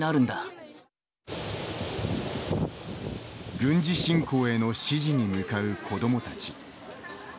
軍事侵攻への支持に向かう子どもたち。